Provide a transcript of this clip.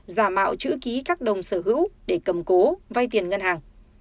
giả mạo chữ ký các đồng sở hữu để cầm cố vay tiền ngân hàng